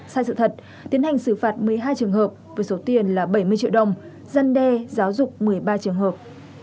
sai sự thật tiến hành xử phạt một mươi hai trường hợp với số tiền là bảy mươi triệu đồng dân đe giáo dục một mươi ba trường hợp